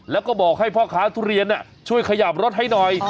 แล้วก็บอกให้พ่อค้าทุเรียนช่วยขยับรถให้หน่อย